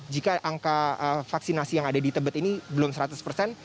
jika angka vaksinasi yang ada di tebet ini belum seratus persen